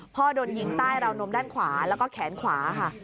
โดนยิงใต้ราวนมด้านขวาแล้วก็แขนขวาค่ะ